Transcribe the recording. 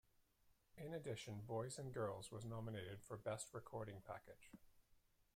In addition, "Boys and Girls" was nominated for Best Recording Package.